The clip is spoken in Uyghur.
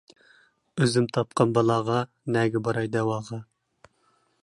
ئۆزۈم تاپقان بالاغا، نەگە باراي دەۋاغا.